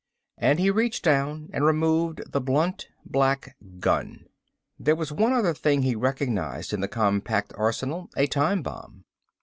And he reached down and removed the blunt, black gun. There was one other thing he recognized in the compact arsenal a time bomb.